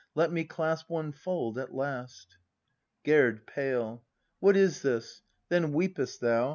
Let me clasp one fold at last! Gerd. [Pale.] What is this ? Then weepest, thou.